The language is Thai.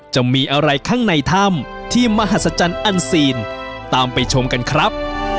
จะมีอะไรข้างในถ้ำที่มหัศจรรย์อันซีนตามไปชมกันครับ